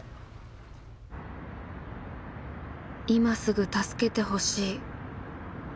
「今すぐ助けてほしい」。